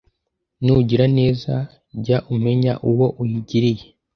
Nugira neza, jya umenya uwo uyigiriye,